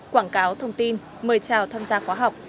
quảng cáo thông tin mời chào tham gia khóa học